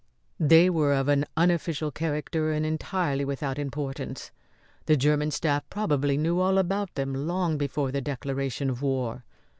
"They were of an unofficial character and entirely without importance. The German Staff probably knew all about them long before the declaration of war.